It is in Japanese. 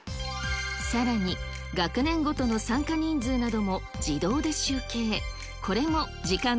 さらに学年ごとの参加人数なども自動で集計。